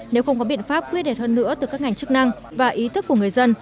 nếu không có biện pháp quyết đẹp hơn nữa từ các ngành chức năng và ý thức của người dân